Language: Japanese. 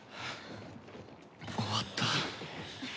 終わった。